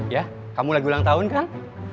ya kamu lagi ulang tahun kang